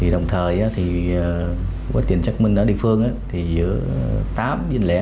đồng thời quá trình xác minh ở địa phương thì giữa tám với lệ